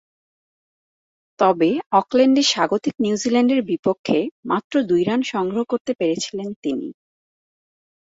তবে, অকল্যান্ডে স্বাগতিক নিউজিল্যান্ডের বিপক্ষে মাত্র দুই রান সংগ্রহ করতে পেরেছিলেন তিনি।